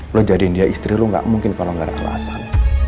lo jadiin dia istri lu gak mungkin kalau gak ada alasan